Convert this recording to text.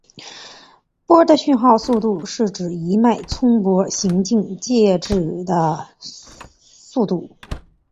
波的讯号速度是指一脉冲波行经介质的速度。